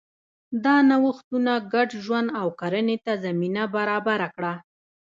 دا نوښتونه ګډ ژوند او کرنې ته زمینه برابره کړه.